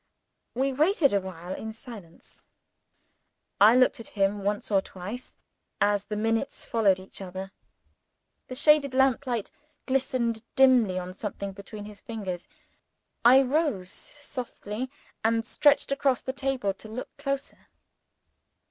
We waited awhile in silence. I looked at him, once or twice, as the minutes followed each other. The shaded lamp light glistened dimly on something between his fingers. I rose softly, and stretched across the table to look closer.